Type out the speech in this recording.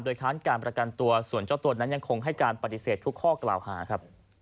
ค้านการประกันตัวส่วนเจ้าตัวนั้นยังคงให้การปฏิเสธทุกข้อกล่าวหาครับ